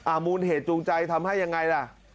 อ่ามูลเหตุจูงใจทำให้อย่างไรล่ะ